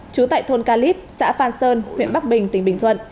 trú tại thôn calip xã phan sơn huyện bắc bình tỉnh bình thuận